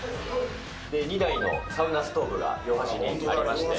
２台のサウナストーブが、両端にありまして。